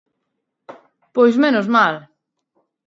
¡Pois menos mal!